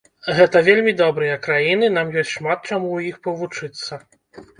Гэта вельмі добрыя краіны, нам ёсць шмат чаму у іх павучыцца.